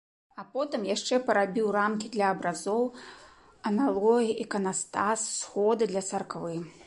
А потым яшчэ парабіў рамкі для абразоў, аналоі, іканастас, сходы для царквы.